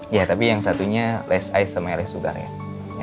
ya tapi yang satunya less ice sama less sugar ya